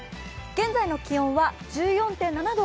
現在の気温は１４．７度。